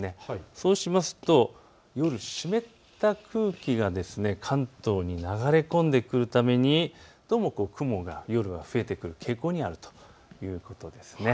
そうしますと夜、湿った空気が関東に流れ込んでくるためにどうも雲が夜は増えてくる傾向にあるということです。